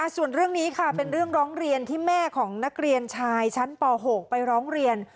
ส่วนเรื่องนี้ค่ะเป็นเรื่องร้องเรียนที่แม่ของนักเรียนชายชั้นป๖ไปร้องเรียน